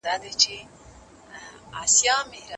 هغوی د ښوونځي په کتابتون کې ناست وو.